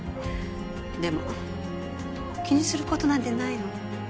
でも気にすることなんてないの。